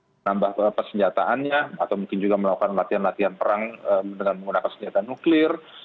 menambah persenjataannya atau mungkin juga melakukan latihan latihan perang dengan menggunakan senjata nuklir